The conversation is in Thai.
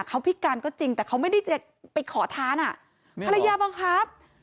เขาพิการก็จริงแต่เขาไม่ได้จะไปขอทานอ่ะภรรยาบังคับ